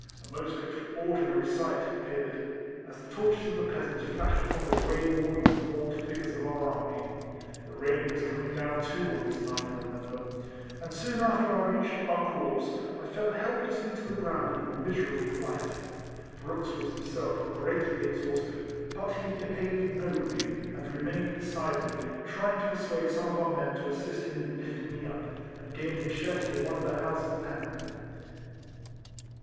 A most extraordinary sight it appeared, as the torches of the peasants flashed upon the way w^orn and gaunt figures of our army. The rain was coming down, too, on this RIPLEMAN HARRIS. 215 night, I remember ; and soon after I reached our corps, I fell helplessly to the ground in a miserable plight. Brooks was himself greatly exhausted, but he behaved nobly, and remained beside me, trjang to persuade some of our men to assist him in lifting me up, and gaining shelter in one of the houses at hand.